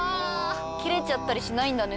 切れちゃったりしないんだね。